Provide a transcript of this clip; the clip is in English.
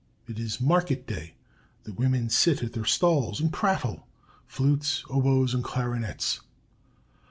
It is market day; the women sit at their stalls and prattle (flutes, oboes, and clarinets).